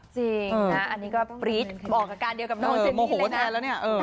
จริงนะอันนี้ก็ปรี๊ดออกอาการเดียวกับน้องเจนนี่เลยนะ